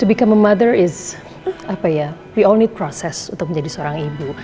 untuk menjadi seorang ibu kita semua perlu proses untuk menjadi seorang ibu